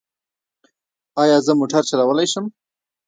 ایا زه موټر چلولی شم؟